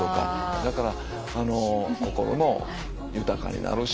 だから心も豊かになるし。